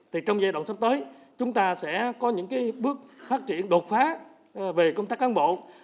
thì trong giai đoạn sắp tới chúng ta sẽ có những bước phát triển đột phá về công tác cán bộ